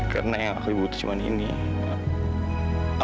sampai jumpa di volkommenya